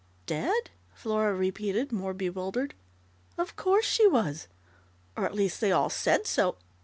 "Dead?" Flora repeated, more bewildered. "Of course she was, or at least, they all said so